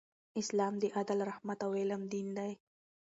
اسلام د عدل، رحمت او علم دین دی.